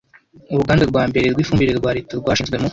Uruganda rwa mbere rw’ifumbire rwa leta rwashinzwe mu